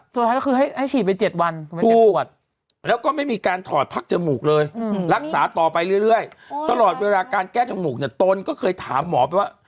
สุดท้ายก็คือให้ฉีดไป๗วันตรวจแล้วก็ไม่มีการถอดพักจมูกเลยรักษาต่อไปเรื่อยตลอดเวลาการแก้จมูกเนี่ยตนก็เคยถามหมอไปว่า